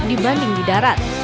dibanding di darat